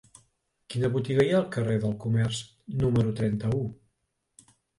Quina botiga hi ha al carrer del Comerç número trenta-u?